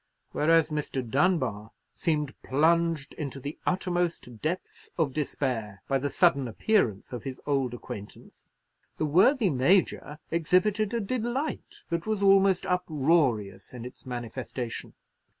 Whereas Mr. Dunbar seemed plunged into the uttermost depths of despair by the sudden appearance of his old acquaintance, the worthy Major exhibited a delight that was almost uproarious in its manifestation.